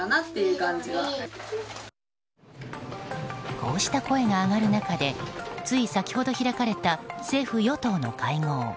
こうした声が上がる中でつい先ほど開かれた政府・与党の会合。